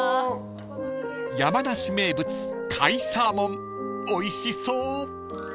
［山梨名物甲斐サーモンおいしそう！］